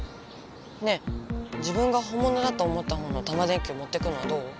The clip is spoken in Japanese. ねえ自分が本物だと思った方のタマ電Ｑをもってくのはどう？